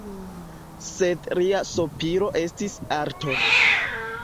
Sed lia sopiro estis arto.